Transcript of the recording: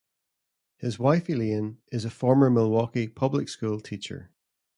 His wife, Elaine, is a former Milwaukee public-school teacher.